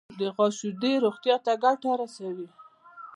د غوا شیدې روغتیا ته ګټه رسوي.